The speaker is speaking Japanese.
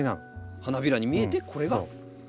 花びらに見えてこれが単独の花。